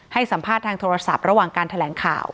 ให้สัมภาษณ์ทางโทรศัพท์ระหว่างการแถลงข่าว